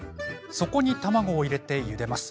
そこに卵を入れてゆでます。